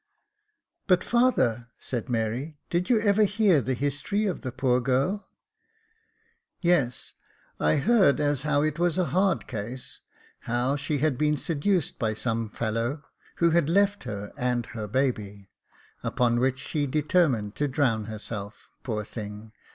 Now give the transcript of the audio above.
]" But, father," said Mary, " did you ever hear the history of the poor girl ?"" Yes, I heard as how it was a hard case, how she had been seduced by some fellow who had left her and her baby, upon which she determined to drown herself, poor thing